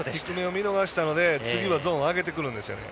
見逃したので次はゾーンを上げてくるんですよね。